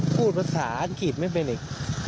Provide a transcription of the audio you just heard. พูดภาษาอังกฤษไม่เป็นอีก